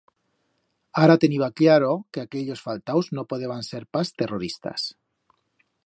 Ara teniba cllaro que aquellos faltaus no podeban ser pas terroristas.